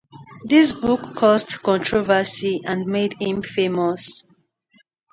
This book caused controversy and made him famous.